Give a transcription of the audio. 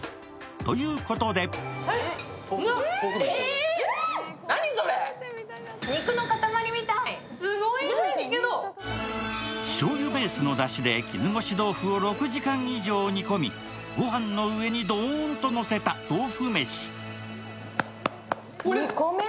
ということでしょうゆベースのだしで絹ごし豆腐を６時間以上煮込み、ご飯の上にドーンとのせた豆腐めし。